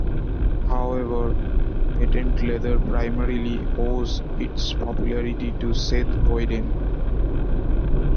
However, patent leather primarily owes its popularity to Seth Boyden.